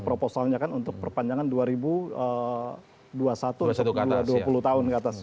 proposalnya kan untuk perpanjangan dua ribu dua puluh satu untuk dua puluh tahun ke atas